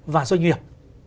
và doanh nghiệp